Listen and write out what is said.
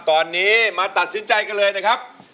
ตอนนี้มาตัดสินใจกันเลยนะครับ